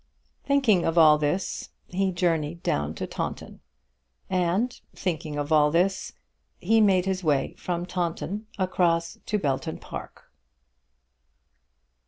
Thinking of all this he journeyed down to Taunton, and thinking of all this he made his way from Taunton across to Belton Park.